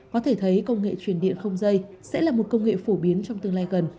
có thể thấy công nghệ truyền điện không dây sẽ là một công nghệ phổ biến trong tương lai gần